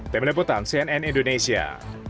pemiliputan cnn indonesia